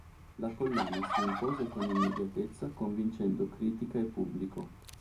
La collana si impose con immediatezza convincendo critica e pubblico.